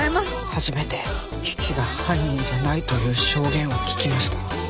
初めて父が犯人じゃないという証言を聞きました。